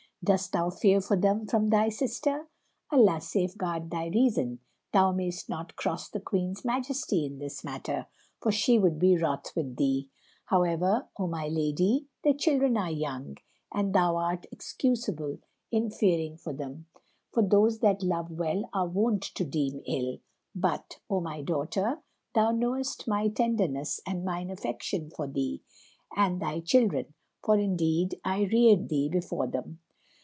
Dost thou fear for them from thy sister? Allah safeguard thy reason! Thou mayst not cross the Queen's majesty in this matter, for she would be wroth with thee. However, O my lady, the children are young, and thou art excusable in fearing for them, for those that love well are wont to deem ill: but, O my daughter, thou knowest my tenderness and mine affection for thee and thy children, for indeed I reared thee before them.